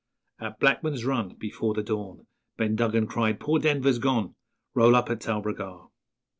_At Blackman's Run Before the dawn, Ben Duggan cried, 'Poor Denver's gone! Roll up at Talbragar!'